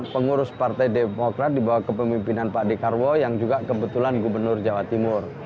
pengurus partai demokrat di bawah kepemimpinan pak dekarwo yang juga kebetulan gubernur jawa timur